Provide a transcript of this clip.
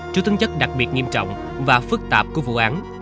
trước tính chất đặc biệt nghiêm trọng và phức tạp của vụ án